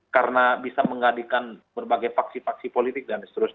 karena bisa mengadikan berbagai paksi paksi politik